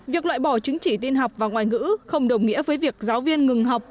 việc loại bỏ chứng chỉ tin học và ngoại ngữ không đồng nghĩa với việc giáo viên ngừng học